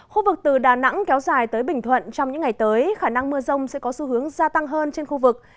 khu vực từ đà nẵng kéo dài tới bình thuận trong những ngày tới khả năng mưa rông sẽ có xu hướng gia tăng hơn trên khu vực